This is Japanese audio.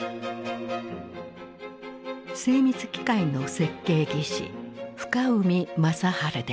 精密機械の設計技師深海正治である。